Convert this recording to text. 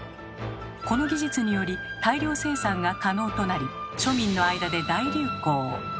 この技術により大量生産が可能となり庶民の間で大流行。